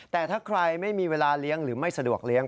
แต่ถ้าใครไม่มีเวลาเลี้ยงหรือไม่สะดวกเลี้ย